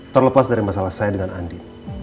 terlepas dari masalah saya dengan andi